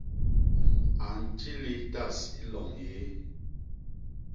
A ntjilis tas i loñ yéé.